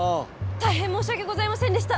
大変申し訳ございませんでした！